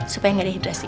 supaya gak dehidrasi